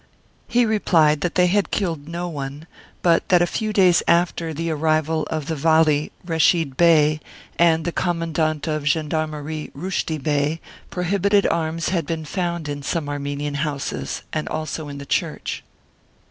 He replied that they had killed no one, but that a few days after the arrival of the Vali, Reshid Bey, and the Commandant of Gendarmerie, Rushdi Bey, prohibited arms had been found in some Armenian houses, and also in the church.